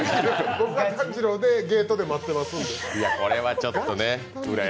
僕が炭治郎でゲートで待ってますので。